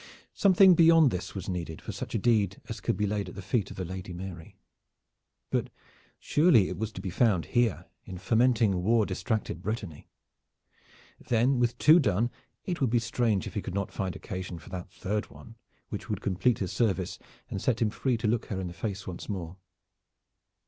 Something beyond this was needed for such a deed as could be laid at the feet of the Lady Mary. But surely it was to be found here in fermenting war distracted Brittany. Then with two done it would be strange if he could not find occasion for that third one, which would complete his service and set him free to look her in the face once more.